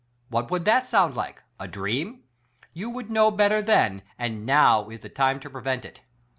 What would that sound like? A dream? You would know better then— and now is the time to prevent it.